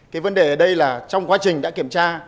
cái vấn đề ở đây là trong quá trình đã kiểm tra